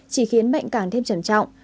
chỉ khiến bệnh càng thêm trầm trọng